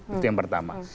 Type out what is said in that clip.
itu yang pertama